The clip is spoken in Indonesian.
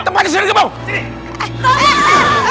tempat itu segera gepung